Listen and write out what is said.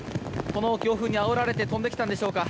この強風にあおられて飛んできたんでしょうか。